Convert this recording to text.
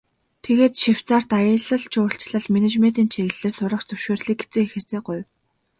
Тэгээд Швейцарьт аялал жуулчлал, менежментийн чиглэлээр суралцах зөвшөөрлийг эцэг эхээсээ гуйв.